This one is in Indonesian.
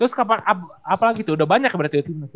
terus apalagi tuh udah banyak berarti timnas ya